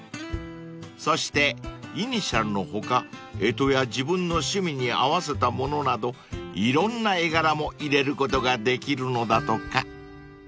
［そしてイニシャルの他干支や自分の趣味に合わせたものなどいろんな絵柄も入れることができるのだとか］